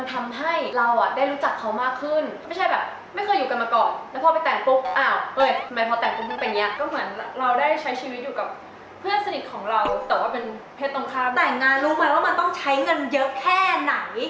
แต่งงานรู้ไหมว่ามันต้องใช้เงินเยอะแค่ไหน